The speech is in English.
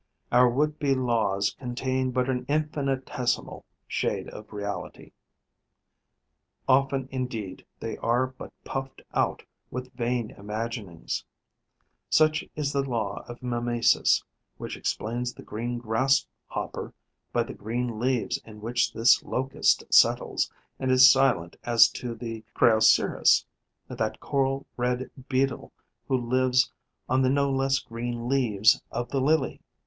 Our would be laws contain but an infinitesimal shade of reality; often indeed they are but puffed out with vain imaginings. Such is the law of mimesis, which explains the Green Grasshopper by the green leaves in which this Locust settles and is silent as to the Crioceris, that coral red Beetle who lives on the no less green leaves of the lily.